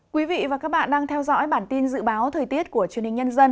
quý vị và các bạn đang theo dõi bản tin dự báo thời tiết của truyền hình nhân dân